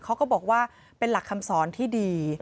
เขาก็บอกว่าเป็นหลักคำสอนที่ดี